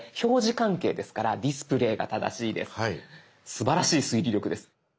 すばらしい推理力です。